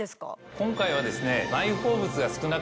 今回はですね。